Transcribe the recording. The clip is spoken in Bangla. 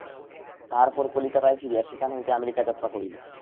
তাহার পর কলিকাতায় ফিরিয়া সেখান হইতে আমেরিকা যাত্রা করিব।